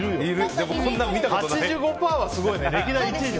でも、８５％はすごいね。